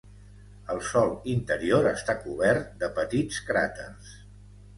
El sòl interior està cobert de petits cràters.